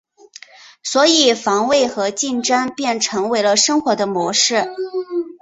所以防卫和竞争便成为了生活的模式。